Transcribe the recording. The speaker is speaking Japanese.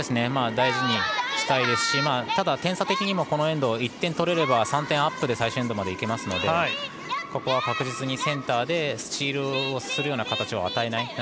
大事にしたいですがただ、点差としてはこのエンドで１点取れれば３点アップで最終エンドまでいけるのでここは確実にセンターでスチールをする形を与えない。